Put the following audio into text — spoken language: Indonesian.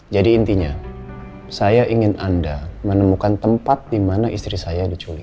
jadi intinya saya ingin anda menemukan tempat di mana istri saya diculik